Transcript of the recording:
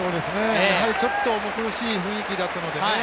ちょっと重苦しい雰囲気だったのでね